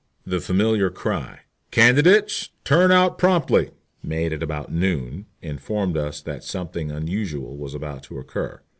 The familiar cry, "Candidates, turn out promptly," made at about noon, informed us that something unusual was about to occur.